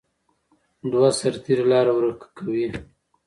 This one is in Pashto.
دوه سرتیري لاره ورکه کوي.